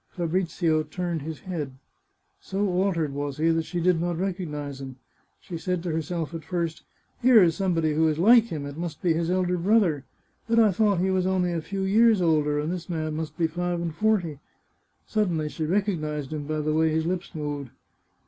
Fabrizio turned his head. So altered was he that she did not recognise him. She said to herself at first :" Here is somebody who is like him. It must be his elder brother. But I thought he was only a few years older, and this man must be five and forty." Suddenly she recognised him by the way his lips moved.